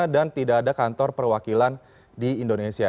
dan tidak ada kantor perwakilan di indonesia